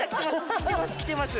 きてます